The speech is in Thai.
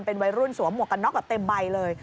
เป็นวัยรุ่นสวมหมวกกันน็อกแบบเต็มใบเลย